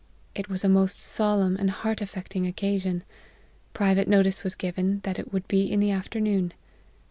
It was a most solemn and heart affecting occasion. Private notice was given, that it would be in the afternoon.